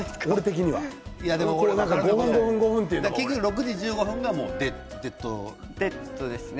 ６時１５分がデッドですね。